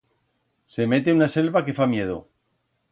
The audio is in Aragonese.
Se mete una selva que fa miedo.